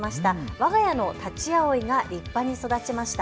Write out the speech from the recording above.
わが家のたちあおいが立派に育ちました。